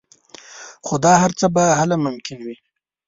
خو دا هر څه به هله ممکن وي